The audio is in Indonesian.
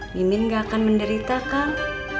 mimin gak akan menderita kang